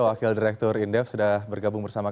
wakil direktur indef sudah bergabung bersama